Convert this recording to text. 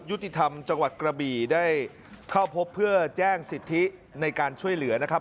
ยุติธรรมจังหวัดกระบี่ได้เข้าพบเพื่อแจ้งสิทธิในการช่วยเหลือนะครับ